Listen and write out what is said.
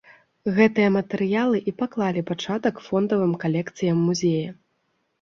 Гэтыя матэрыялы і паклалі пачатак фондавым калекцыям музея.